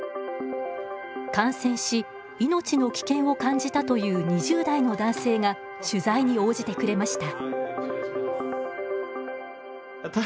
感染し命の危険を感じたという２０代の男性が取材に応じてくれました。